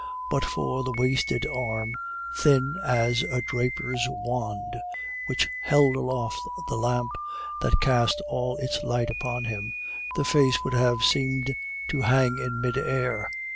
But for the wasted arm, thin as a draper's wand, which held aloft the lamp that cast all its light upon him, the face would have seemed to hang in mid air.